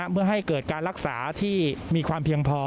เพื่อให้เกิดการรักษาที่มีความเพียงพอ